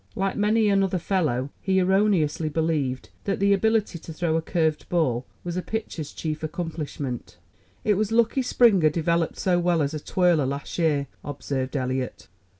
Like many another fellow, he erroneously believed that the ability to throw a curved ball was a pitcher's chief accomplishment. "It was lucky Springer developed so well as a twirler last year," observed Eliot.